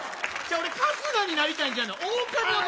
俺、春日になりたいんじゃない、狼男。